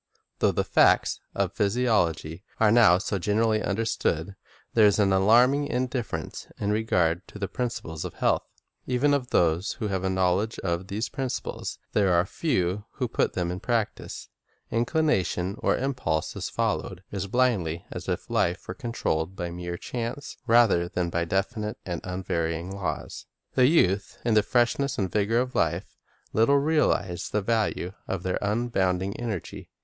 Though the facts of physiology are now so gen erally understood, there is an alarming indifference in regard to the principles of health. Even of those who have a knowledge of these principles, there are few who put them in practise. Inclination or impulse is followed as blindly as if life were controlled by mere chance rather than by definite and unvarying laws. The youth, in the freshness and vigor of life, little realize the value of their abounding energy.